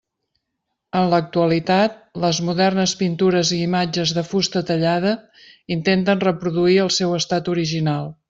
En l'actualitat, les modernes pintures i imatges de fusta tallada intenten reproduir el seu estat original.